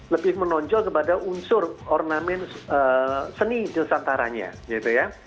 lebih menonjol kepada unsur ornamen seni desantaranya